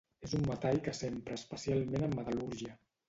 És un metall que s'empra especialment en metal·lúrgia.